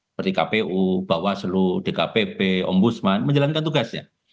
seperti kpu bawaslu dkpp ombudsman menjalankan tugasnya